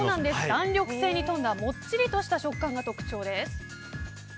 弾力性に富んだもっちりとした食感が特徴です。